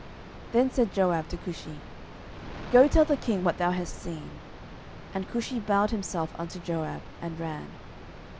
10:018:021 Then said Joab to Cushi, Go tell the king what thou hast seen. And Cushi bowed himself unto Joab, and ran.